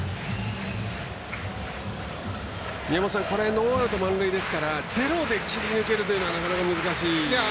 ノーアウト、満塁ですからゼロで切り抜けるというのはなかなか難しいですかね。